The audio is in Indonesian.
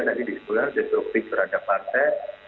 tadi disebutkan destruktif terhadap partai